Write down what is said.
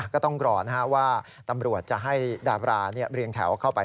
ก็ต้องรอว่าตำรวจจะให้ดาบราเรียงแถวเข้าไป